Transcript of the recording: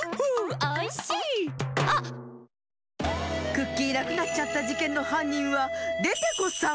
クッキーなくなっちゃったじけんのはんにんはデテコさん！